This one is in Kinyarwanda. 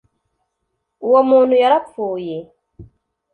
uwo muntu yarapfuye